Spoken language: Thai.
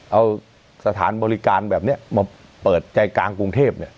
เอาสถานบริการแบบนี้มาเปิดใจกลางกรุงเทพ